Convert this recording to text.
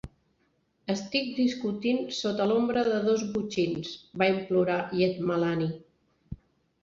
"Estic discutint sota l'ombra de dos botxins", va implorar Jethmalani.